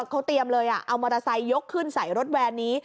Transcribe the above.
เขาเตรียมเลยเอามอเตอร์ไซค์ยกขึ้นใส่รถแวนนี้